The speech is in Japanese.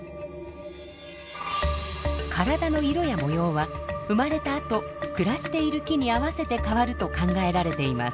体の色や模様は生まれたあと暮らしている木に合わせて変わると考えられています。